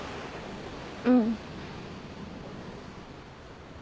うん。